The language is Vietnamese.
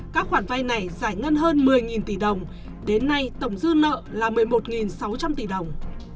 các khoản vay này giải ngân hơn một mươi tỷ đồng đến nay tổng dư nợ là một mươi một sáu trăm linh tỷ đồng